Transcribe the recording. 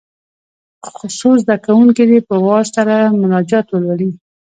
څو زده کوونکي دې په وار سره مناجات ولولي.